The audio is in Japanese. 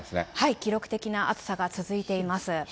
記録的な暑さが続いています。